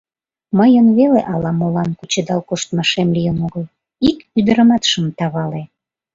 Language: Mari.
Мыйын веле ала-молан кучедал коштмашем лийын огыл, ик ӱдырымат шым тавале...